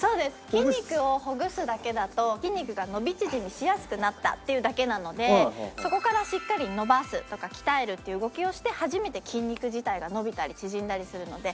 筋肉をほぐすだけだと筋肉が伸び縮みしやすくなったっていうだけなのでそこからしっかり伸ばすとか鍛えるっていう動きをして初めて筋肉自体が伸びたり縮んだりするので。